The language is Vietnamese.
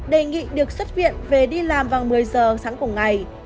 đề nghị được xuất viện về đi làm vào một mươi giờ sáng cùng ngày